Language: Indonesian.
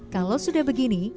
kalau sudah begini